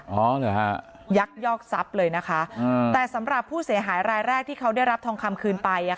อ๋อหรือคะยักษ์ยอกซับเลยนะคะแต่สำหรับผู้เสียหายรายแรกที่เขาได้รับทองคำคืนไป